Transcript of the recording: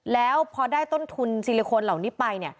แล้วพอได้ต้นทุนซิลิโคนเหล่านี้ไป